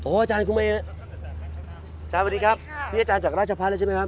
อาจารย์สวัสดีครับพี่อาจารย์จากราชพัฒน์แล้วใช่ไหมครับ